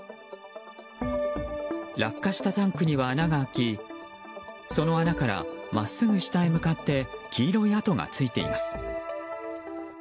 落下したタンクには穴が開きその穴から真っすぐ下へ向かって黄色い跡がついています。